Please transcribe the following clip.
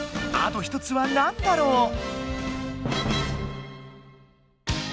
あと１つはなんだろう？